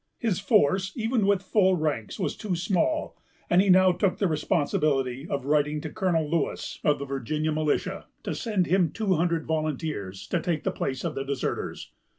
His force, even with full ranks, was too small; and he now took the responsibility of writing to Colonel Lewis, of the Virginia militia, to send him two hundred volunteers, to take the place of the deserters.